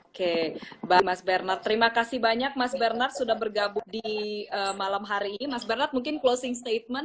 oke mbak mas bernard terima kasih banyak mas bernard sudah bergabung di malam hari ini mas bernard mungkin closing statement